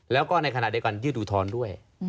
แล้วก็ในขณะที่เราจะดูท้อนด้วย